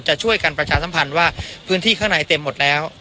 จะช่วยกันประชาสัมพันธ์ว่าพื้นที่ข้างในเต็มหมดแล้ว